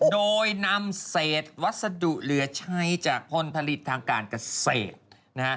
โดยนำเศษวัสดุเหลือใช้จากผลผลิตทางการเกษตรนะฮะ